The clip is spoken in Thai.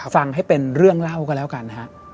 ฟังให้เป็นเรื่องเล่าก็แล้วกันฮะ